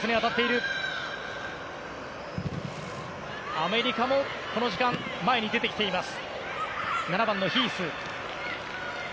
アメリカも、この時間前に出てきています。